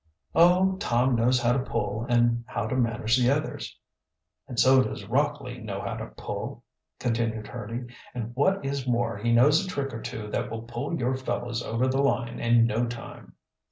"Oh, Tom knows how to pull and how to manage the others." "And so does Rockley know how to pull," continued Hurdy. "And what is more, he knows a trick or two that will pull your fellows over the line in no time."